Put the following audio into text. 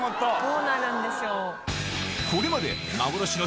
どうなるんでしょう？